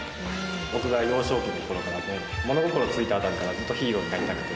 僕が幼少期の頃から物心ついた辺りからずっとヒーローになりたくて。